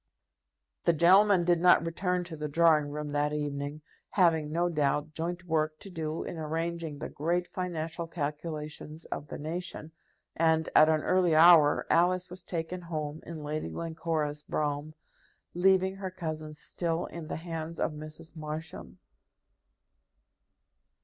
The gentlemen did not return to the drawing room that evening, having, no doubt, joint work to do in arranging the great financial calculations of the nation; and, at an early hour, Alice was taken home in Lady Glencora's brougham, leaving her cousin still in the hands of Mrs. Marsham.